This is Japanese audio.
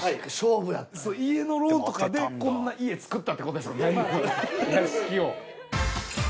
家のローンとかでこんな家造ったってことですか？